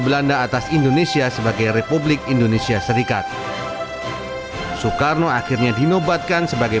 belanda atas indonesia sebagai republik indonesia serikat soekarno akhirnya dinobatkan sebagai